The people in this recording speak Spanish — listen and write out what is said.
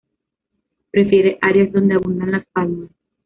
Prefiere áreas donde abundan las palmas.